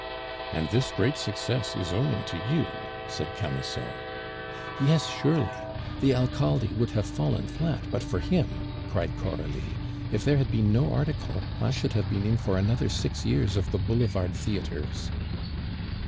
"And this great success is owing to you," said Camusot. "Yes, surely. The Alcalde would have fallen flat but for him," cried Coralie; "if there had been no article, I should have been in for another six years of the Boulevard theatres."